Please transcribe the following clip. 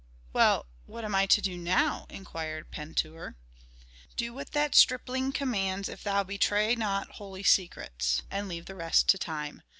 "Well, what am I to do now?" inquired Pentuer. "Do what that stripling commands if thou betray not holy secrets. And leave the rest to time.